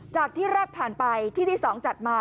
จากที่แรกผ่านไปที่ที่๒จัดมา